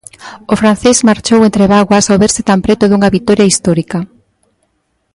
O francés marchou entre bágoas ao verse tan preto dunha vitoria histórica.